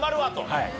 はい。